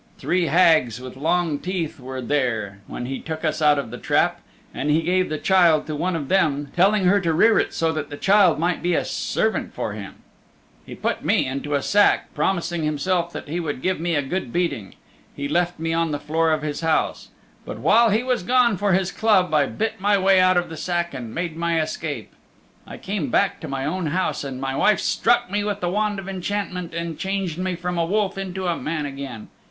Three Hags with Long Teeth were there when he took us out of the trap, and he gave the child to one of them, telling her to rear it so that the child might be a servant for him. "He put me into a sack, promising himself that he would give me a good beating. He left me on the floor of his house. But while he was gone for his club I bit my way out of the sack and made my escape. I came back to my own house, and my wife struck me with the wand of enchantment, and changed me from a wolf into a man again.